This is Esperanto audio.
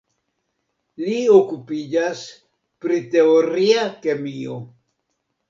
Li okupiĝas pri teoria kemio.